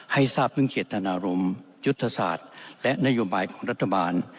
ทราบถึงเจตนารมณ์ยุทธศาสตร์และนโยบายของรัฐบาล